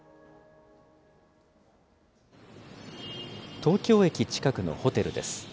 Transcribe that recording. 東京駅近くのホテルです。